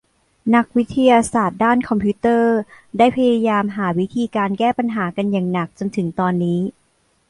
นักวิทยาศาสตร์ด้านคอมพิวเตอร์ได้พยายามหาวิธีการแก้ปัญหากันอย่างหนักจนถึงตอนนี้